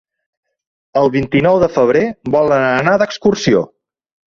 El vint-i-nou de febrer volen anar d'excursió.